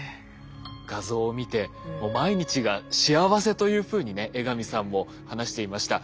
画像を見て毎日が幸せというふうにね江上さんも話していました。